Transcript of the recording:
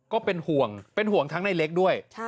ก็เป็นห่วงเป็นห่วงทั้งในเล็กด้วย